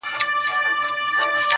• دا مه وايه چي ژوند تر مرگ ښه دی.